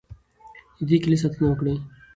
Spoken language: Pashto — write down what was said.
د دې کیلي ساتنه وکړئ.